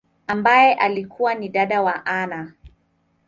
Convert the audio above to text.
ambaye alikua ni dada wa Anna.